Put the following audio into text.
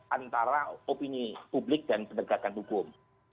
antara opini publik dan penegakan hukum